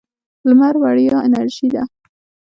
لمر وړیا انرژي ده.